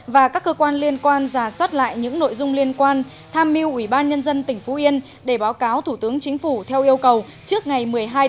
và các cơ quan liên quan giả soát lại những nội dung liên quan tham mưu ubnd tỉnh phú yên để báo cáo thủ tướng chính phủ theo yêu cầu trước ngày một mươi hai bốn